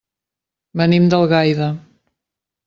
Venim d'Algaida.